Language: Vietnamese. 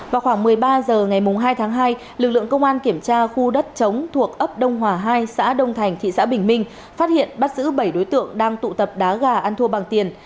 vào khoảng một mươi ba h ngày hai tháng hai lực lượng công an kiểm tra khu đất chống thuộc ấp đông hòa hai xã đông thành thị xã bình minh phát hiện bắt giữ bảy đối tượng đang tụ tập đá gà ăn thua bằng tiền